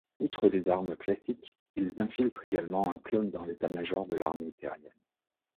Outre les armes classiques, ils infiltrent également un clone dans l'état-major de l'armée terrienne.